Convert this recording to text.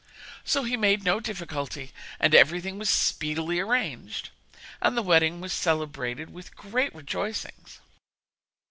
So he made no difficulty, and everything was speedily arranged and the wedding was celebrated with great rejoicings.